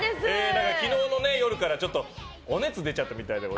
昨日の夜からお熱が出ちゃったみたいで。